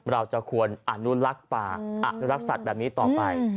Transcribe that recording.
เราจะควรอนุรักษ์ป่าอนุรักษ์สัตว์แบบนี้ต่อไป